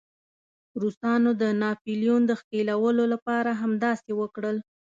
روسانو د ناپلیون د ښکېلولو لپاره همداسې وکړل.